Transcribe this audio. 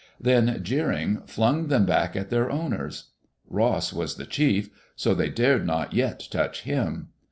Then, jeering, flung them back at their owners. Ross was the chief; so they dared not yet touch him.